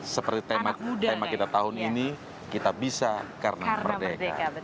seperti tema kita tahun ini kita bisa karena merdeka